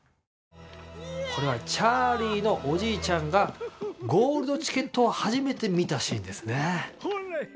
これはチャーリーのおじいちゃんがゴールドチケットを初めて見たシーンですね。